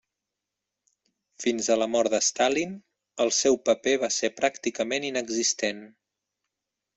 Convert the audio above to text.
Fins a la mort de Stalin, el seu paper va ser pràcticament inexistent.